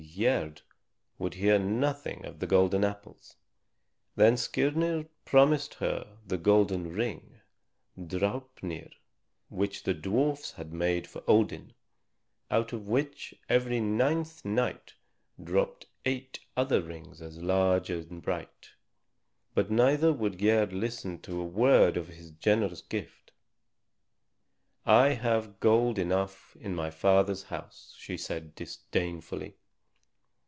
Gerd would hear nothing of the golden apples. Then Skirnir promised her the golden ring, Draupnir, which the dwarfs had made for Odin, out of which every ninth night dropped eight other rings as large and bright. But neither would Gerd listen to word of this generous gift. "I have gold enough in my father's house," she said disdainfully.